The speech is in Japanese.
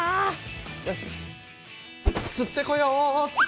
よしつってこようっと。